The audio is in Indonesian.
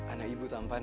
anak ibu tampan